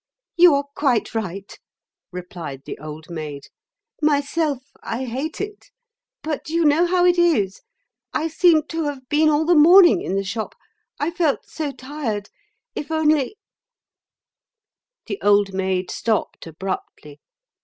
"You are quite right," replied the Old Maid; "myself, I hate it. But you know how it is. I seemed to have been all the morning in the shop. I felt so tired. If only—" The Old Maid stopped abruptly.